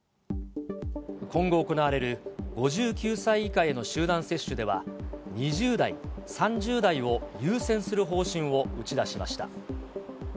今後行われる５９歳以下への集団接種では、２０代、３０代を優先する方針を打ち出しました。